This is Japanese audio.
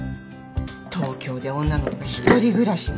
東京で女の子が１人暮らしなんて。